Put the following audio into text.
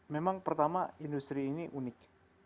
memang pertama industri ini unik